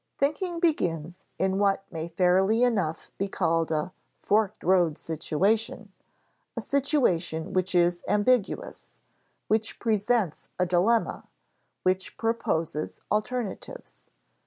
Thinking begins in what may fairly enough be called a forked road situation, a situation which is ambiguous, which presents a dilemma, which proposes alternatives.